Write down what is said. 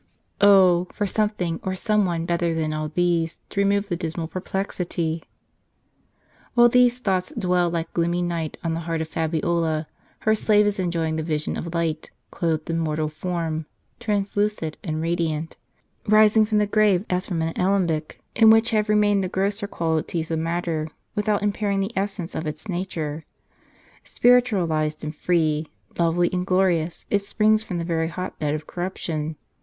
Oh, for something, or some one, better than all these, to remove the dismal perplexity ! While these thoughts dwell like gloomy night on the heart of Fabiola, her slave is enjoying the vision of light, clothed in mortal form, translucid and radiant, rising from the grave as from an alembic, in which have remained the grosser qualities of matter, without impairing the essence of its nature. Spiritualized and free, lovely and glorious, it springs from the very hot bed of corruption.